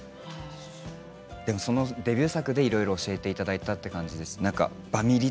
そのデビュー作でいろいろ教えていただいたという感じです。